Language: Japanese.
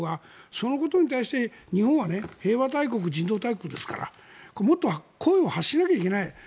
そのことに対して日本は平和大国、人道大国ですからもっと声を発しないといけない。